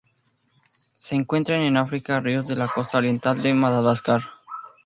Se encuentran en África: ríos de la costa oriental de Madagascar.